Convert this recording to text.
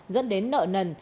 dẫn đến nợ nần